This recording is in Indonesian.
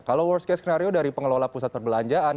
kalau worst case skenario dari pengelola pusat perbelanjaan